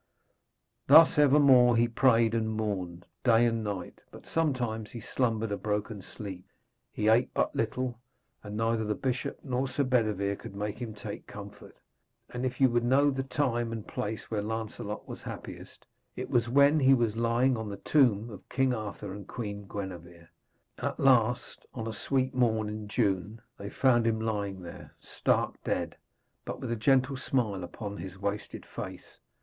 Thus evermore he prayed and mourned, day and night, but sometimes he slumbered a broken sleep. He ate but little, and neither the bishop nor Sir Bedevere could make him take comfort. And if you would know the time and place where Lancelot was happiest, it was when he was lying on the tomb of King Arthur and Queen Gwenevere. At last, on a sweet morn in June, they found him lying there, stark dead, but with a gentle smile upon his wasted face.